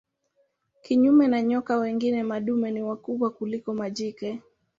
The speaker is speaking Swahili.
Kinyume na nyoka wengine madume ni wakubwa kuliko majike.